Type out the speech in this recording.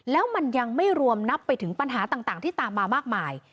แล้วมันยังไม่รวมนับไปถึงปัญหาต่างที่ตามมามากมาย